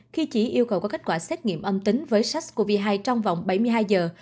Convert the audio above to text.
khi chỉ yêu cầu có kết quả xét nghiệm âm tính với sars cov hai trong vòng bảy mươi hai giờ